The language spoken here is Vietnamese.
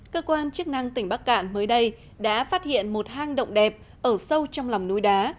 cơ quan chức năng tỉnh bắc cạn mới đây đã phát hiện một hang động đẹp ở sâu trong lòng núi đá